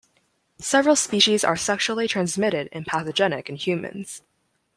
Several species are sexually transmitted and pathogenic in humans.